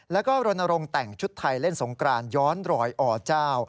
แล้วก็รณรงค์แต่งชุดไทยเล่นสงกรานย้อนรอยอเจ้า